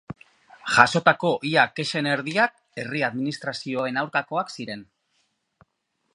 Jasotako ia kexen erdiak herri administrazioen aurkakoak ziren.